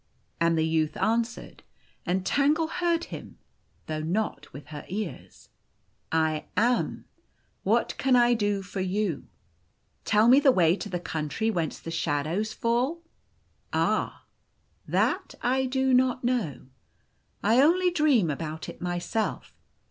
And the youth answered, and Tangle heard him, though not with her ears : O " I am. What can I do for you ?'" Tell me the way to the country whence the shadows fall." " Ah ! that I do not know. I only dream about it myself.